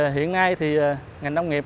hiện nay thì ngành nông nghiệp